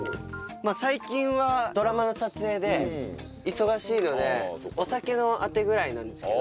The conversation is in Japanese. まあ最近はドラマの撮影で忙しいのでお酒のアテぐらいなんですけど。